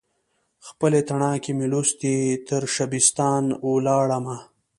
خپلې تڼاکې مې لوستي، ترشبستان ولاړمه